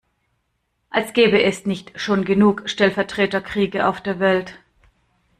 Als gäbe es nicht schon genug Stellvertreterkriege auf der Welt.